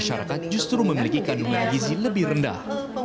masyarakat justru memiliki kandungan gizi lebih rendah